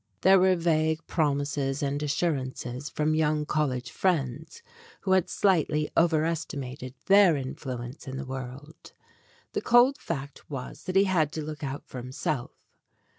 There were vague promises and assurances from young college friends who had slightly over estimated their influence in the world. The cold fact was that he had to look out for himself.